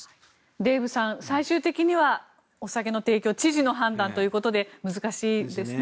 デーブさん、最終的にはお酒の提供は知事の判断ということで難しいですね。